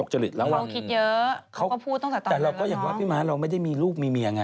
คุณฯเราก็อยากว่าแต่เราก็อย่างพี่ม้าเราไม่ได้มีลูกมีเมียใช่